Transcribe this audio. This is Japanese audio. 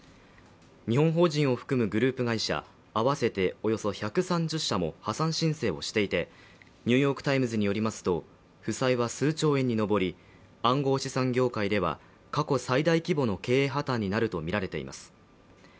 日本法人を含むグループ会社合わせておよそ１３０社も破産申請をしていて「ニューヨーク・タイムズ」によりますと負債は数兆円に上り暗号資産業界では過去最大規模の経営破綻になるとみられています。